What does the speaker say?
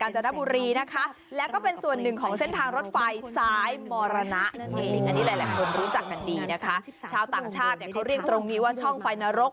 ชาวต่างชาติเนี่ยเขาเรียกตรงนี้ว่าช่องไฟนรก